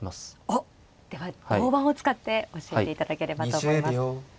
おっでは大盤を使って教えていただければと思います。